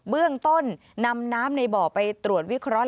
เบื้องต้นนำน้ำในบ่อไปตรวจวิเคราะห